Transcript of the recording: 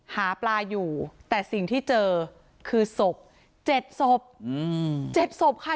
หาปลาอยู่แต่สิ่งที่เจอคือศพเจ็ดศพอืมเจ็ดศพค่ะ